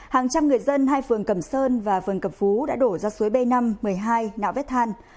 hàng trăm người dân hai phường cẩm sơn và phường cẩm phú đã đổ ra suối b năm một mươi hai nạo vét than